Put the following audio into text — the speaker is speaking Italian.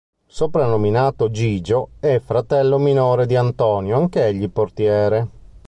Soprannominato "Gigio", è fratello minore di Antonio, anch'egli portiere.